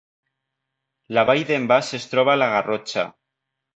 La Vall d’en Bas es troba a la Garrotxa